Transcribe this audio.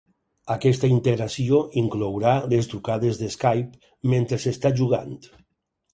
Aquesta integració inclourà les trucades de Skype mentre s'està jugant.